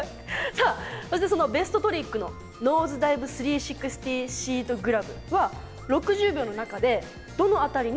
さあそしてそのベストトリックのノーズダイブ・３６０・シートグラブは６０秒の中でどの辺りに入れてますか？